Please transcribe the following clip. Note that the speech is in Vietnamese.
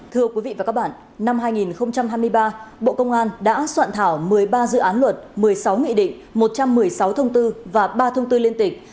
thưa quý vị và các bạn năm hai nghìn hai mươi ba bộ công an đã soạn thảo một mươi ba dự án luật một mươi sáu nghị định một trăm một mươi sáu thông tư và ba thông tư liên tịch